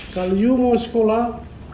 kalau anda ingin sekolah